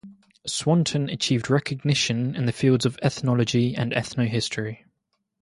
Swanton achieved recognition in the fields of ethnology and ethnohistory.